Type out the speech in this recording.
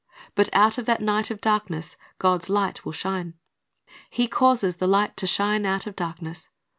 V>\\t out of that night of darkness God's light will shine. He causes "the light to shine out of darkness."'